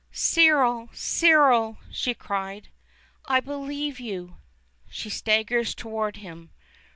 "Cyril! Cyril!" she cried. "I believe you." She staggers toward him.